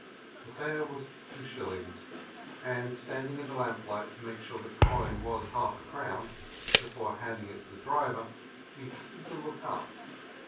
The fare was two shillings, and, standing in the lamplight to make sure the coin was a half crown before handing it to the driver, we happened to look up.